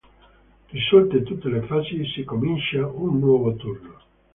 Risolte tutte le fasi si comincia un nuovo turno.